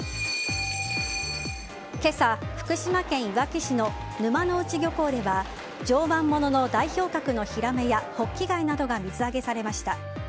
今朝、福島県いわき市の沼之内漁港では常磐ものの代表格のヒラメやホッキ貝などが水揚げされました。